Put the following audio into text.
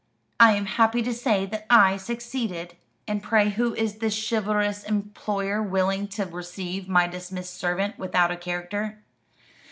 I am happy to say that I succeeded." "And pray who is the chivalrous employer willing to receive my dismissed servant without a character?"